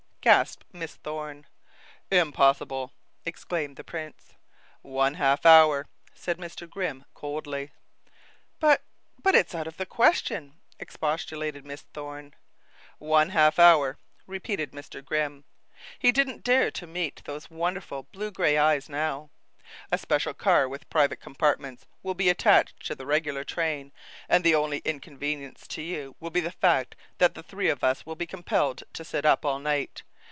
gasped Miss Thorne. "Impossible!" exclaimed the prince. "One half hour," said Mr. Grimm coldly. "But but it's out of the question," expostulated Miss Thorne. "One half hour," repeated Mr. Grimm. He didn't dare to meet those wonderful blue gray eyes now. "A special car with private compartments will be attached to the regular train, and the only inconvenience to you will be the fact that the three of us will be compelled to sit up all night.